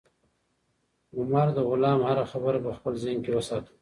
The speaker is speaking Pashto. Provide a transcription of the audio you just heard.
عمر د غلام هره خبره په خپل ذهن کې وساتله.